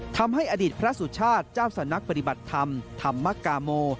ทำให้อดีตพระสุชาติเจ้าสำนักปฏิบัติธรรมธรรมกาโม